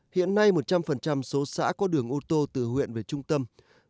hiện nay một trăm linh số xã có đường ô tô từ huyện về trung tâm